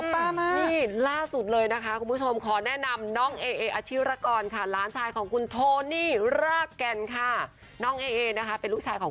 พี่แจ๊กล้างจานเป็นไหม